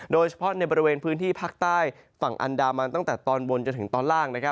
โดยเฉพาะในบริเวณพื้นที่ภาคใต้ฝั่งอันดามันตั้งแต่ตอนบนจนถึงตอนล่าง